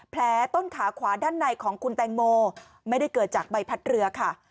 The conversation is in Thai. ต้นขาขวาด้านในของคุณแตงโมไม่ได้เกิดจากใบพัดเรือค่ะ